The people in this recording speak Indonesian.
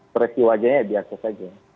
presi wajahnya diakses saja